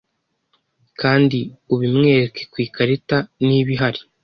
kandi ubimwereke ku ikarita niba ihari